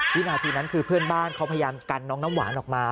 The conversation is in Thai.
วินาทีนั้นคือเพื่อนบ้านเขาพยายามกันน้องน้ำหวานออกมา